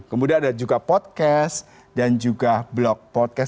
kemudian ada juga podcast dan juga blok podcast